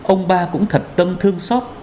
ông ba cũng thật tâm thương xót